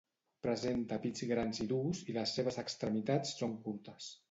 Presenta pits grans i durs i les seves extremitats són curtes.